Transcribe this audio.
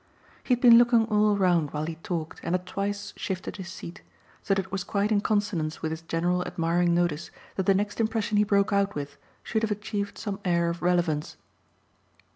He had been looking all round while he talked and had twice shifted his seat; so that it was quite in consonance with his general admiring notice that the next impression he broke out with should have achieved some air of relevance.